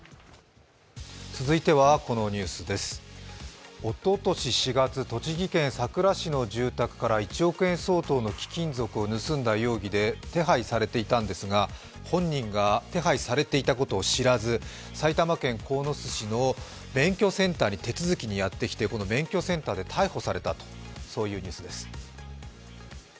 続いては、このニュースおととし４月栃木県さくら市の住宅から１億円相当の貴金属を盗んだ容疑で手配されていたのですが、本人が手配されていたことを知らず、埼玉県鴻巣市の免許センターに手続きにやってきて、免許センターで逮捕されたというそういうニュースです。